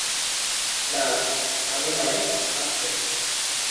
না, আমি নয়, আপনি!